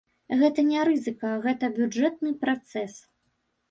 Гэта не рызыка, гэта бюджэтны працэс.